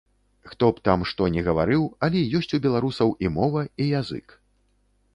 Хто б там што ні гаварыў, але ёсць у беларусаў і мова, і язык.